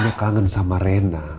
gak kangen sama rena